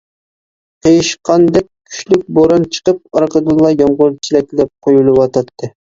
قېيىشقاندەك كۈچلۈك بوران چىقىپ ئارقىدىنلا يامغۇر چېلەكلەپ قۇيۇلۇۋاتاتتى.